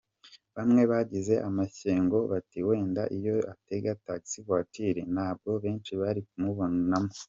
Bamwe babigize amashyengo bati " Wenda iyo atega taxi voiture ntabwo benshi bari kumubona" .